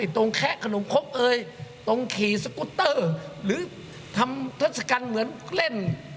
แคะขนมคกเอยตรงขี่สกุตเตอร์หรือทำทศกัณฐ์เหมือนเล่น